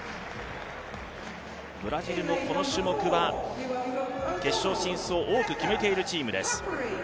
ブラジルもこの種目は決勝進出を多く決めているチームです。